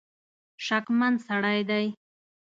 شکمن سړی دی.